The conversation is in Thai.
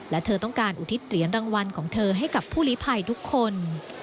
และเธอต้องการอุทิติเรียนรางวัลให้ผู้ลิไพรทุกคน